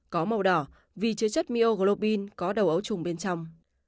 có màu đỏ vì chứa chất miopine có đầu ấu trùng bên trong